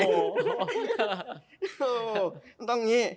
โอ้ต้องเงี้ย